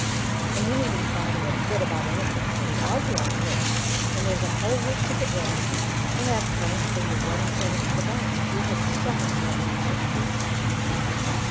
And you needn't bother a bit about anything, Kitty. I'll do all the work, and there's a whole week to get ready in. We'll have Frank bring your wedding silver from the bank; you had so many lovely large pieces."